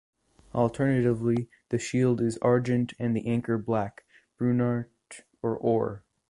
Alternatively the shield is Argent and the anchor Black, Brunatre or Or.